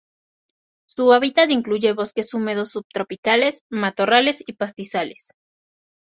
Su hábitat incluye bosques húmedos subtropicales, matorrales y pastizales.